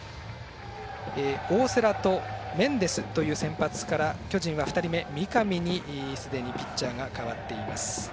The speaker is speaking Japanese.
大瀬良とメンデスという先発から巨人は２人目、三上にすでにピッチャーが代わっています。